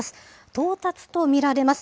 到達と見られます。